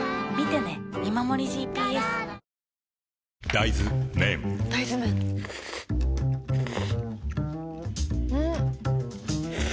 大豆麺ん？